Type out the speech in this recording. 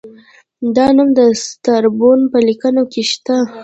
دا نوم د سترابون په لیکنو کې شته